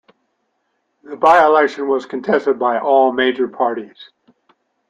The by-election was contested by all major parties.